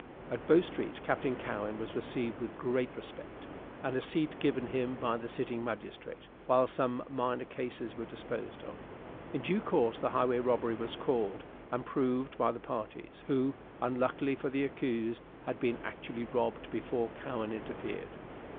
At Bow Street Captain Cowen was received with great respect, and a seat given him by the sitting magistrate while some minor cases were disposed of. In due course the highway robbery was called and proved by the parties who, unluckily for the accused, had been actually robbed before Cowen interfered.